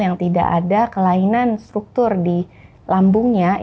yang tidak ada kelainan struktur di lambungnya